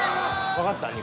わかった。